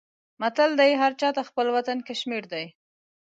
متل دی: هر چاته خپل وطن کشمیر دی.